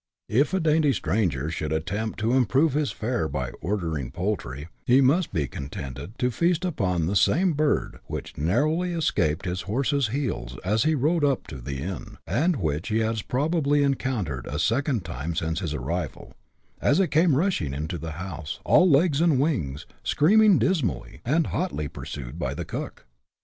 If a dainty CHAP. I.] INNKEEPEES' INDUCEMENTS. 9 stranger should attempt to improve his fare by ordering poultry, he must be contented to feast upon the same bird which narrowly escaped his horse's heels as he rode up to the inn, and which he has probably encountered a second time since his arrival, as it came rushing into the house, all legs and wings, screaming dismally, and hotly pursued by the cook.